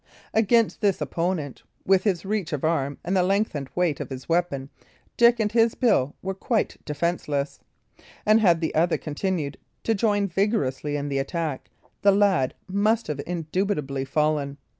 Against this opponent, with his reach of arm and the length and weight of his weapon, Dick and his bill were quite defenceless; and had the other continued to join vigorously in the attack, the lad must have indubitably fallen.